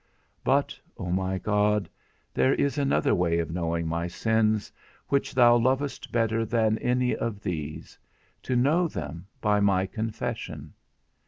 But, O my God, there is another way of knowing my sins, which thou lovest better than any of these; to know them by my confession.